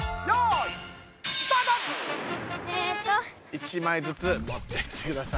１枚ずつもってってください。